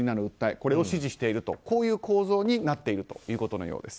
これを支持しているという構造になっているということのようです。